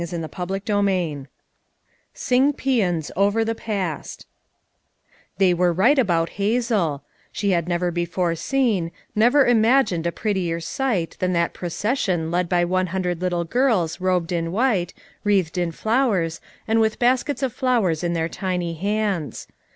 5 aj a a CHAPTER XX "sing peans over the past" They were right about Hazel; she had never before seen, never imagined a prettier sight than that procession led by one hundred little girls robed in white, wreathed in flowers, and with baskets of flowers in their tiny hands.